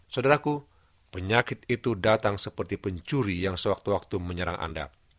saudaraku penyakit itu datang seperti pencuri yang sewaktu waktu menyerang anda